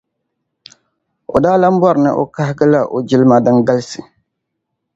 O daa lan bɔri ni o kahigila o jilima din galisi.